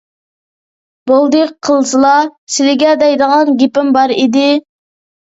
بولدى قىلسىلا، سىلىگە دەيدىغان گېپىم بار ئىدى.